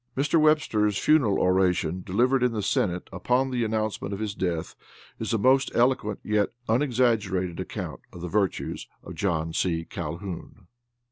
Mr. Webster's funeral oration delivered in the Senate upon the announcement of his death is a most eloquent yet unexaggerated account of the virtues of John C. Calhoun.